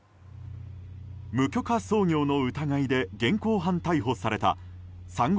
無許可操業の疑いで現行犯逮捕されたサンゴ